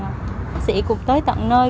bác sĩ cũng tới tận nơi